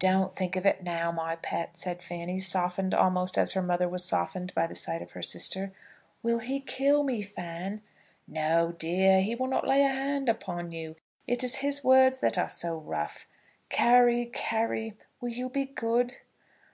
"Don't think of it now, my pet," said Fanny, softened almost as her mother was softened by the sight of her sister. "Will he kill me, Fan?" "No, dear; he will not lay a hand upon you. It is his words that are so rough! Carry, Carry, will you be good?"